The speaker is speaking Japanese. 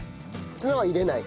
ツナは入れない？